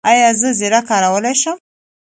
ایا زه زیره کارولی شم؟